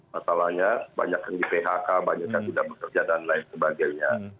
masalahnya banyak yang di phk banyak yang tidak bekerja dan lain sebagainya